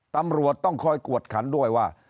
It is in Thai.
ตำรวจต้องคอยกวดขันด้วยว่า